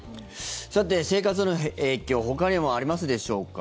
さて、生活への影響ほかにもありますでしょうか。